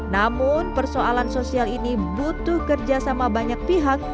namun persoalan sosial ini butuh kerja sama banyak pihak